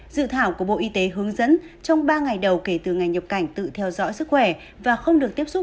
dự thảo của bộ y tế hướng dẫn trong ba ngày đầu kể từ ngày nhập cảnh tự theo dõi sức khỏe và không được tiếp xúc